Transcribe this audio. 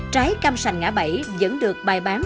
trái cam sành ngã bẫy vẫn được bài bán